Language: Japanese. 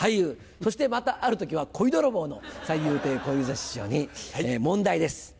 そしてまたある時は恋泥棒の三遊亭小遊三師匠に問題です。